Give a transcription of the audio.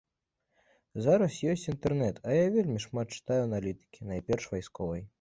Зараз ёсць інтэрнэт, а я вельмі шмат чытаю аналітыкі, найперш вайсковай.